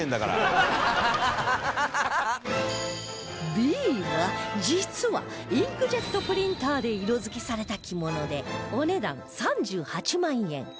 Ｂ は実はインクジェットプリンターで色づけされた着物でお値段３８万円